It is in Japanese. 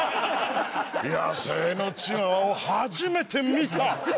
野生のチワワを初めて見た！